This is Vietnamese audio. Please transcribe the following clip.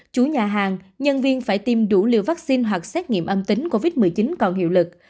chủ nhà hàng nhân viên phải tiêm đủ liều vaccine hoặc xét nghiệm âm tính covid một mươi chín còn hiệu lực